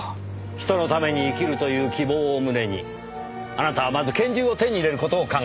人のために生きるという希望を胸にあなたはまず拳銃を手に入れる事を考えた。